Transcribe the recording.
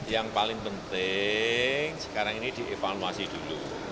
yang paling penting sekarang ini dievaluasi dulu